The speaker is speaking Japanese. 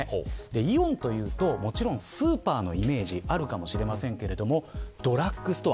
イオンというと、スーパーのイメージあるかもしれませんがドラッグストア。